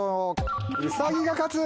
「ウサギが勝つ」。